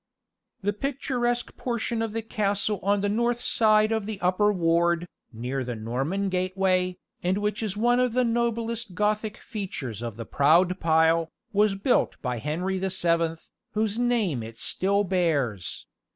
The picturesque portion of the castle on the north side of the upper ward, near the Norman Gateway, and which is one of the noblest Gothic features of the proud pile, was built by Henry the Seventh, whose name it still bears.